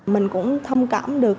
mình cũng thông cảm được